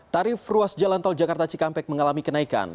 tarif ruas jalan tol jakarta cikampek mengalami kenaikan